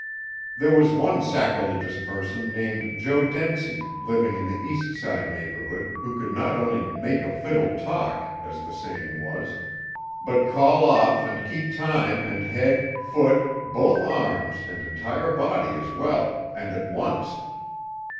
There was one sacrilegious person named Joe Dencie living in the east side neighborhood, who could not only "make a fiddle talk," as the saying was, but "call off" and keep time and head, foot, both arms and entire body as well, and at once.